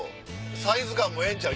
サイズ感ええんちゃう？